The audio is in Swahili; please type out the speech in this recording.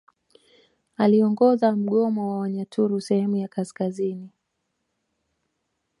Aliongoza mgomo wa Wanyaturu sehemu ya kaskazini